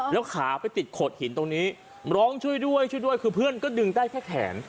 แล้วขาไปติดโขดหินตรงนี้ร้องช่วยด้วยช่วยด้วยคือเพื่อนก็ดึงได้แค่แขน